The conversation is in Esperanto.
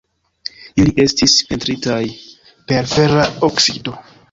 Ili estis pentritaj per fera oksido.